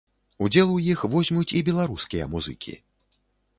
Удзел у іх возьмуць і беларускія музыкі.